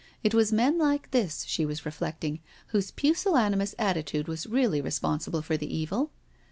It was men like this, she was reflecting, whose pusillanimous attitude was really responsible for the evil.